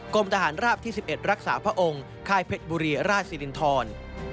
ทหารราบที่๑๑รักษาพระองค์ค่ายเพชรบุรีราชสิรินทร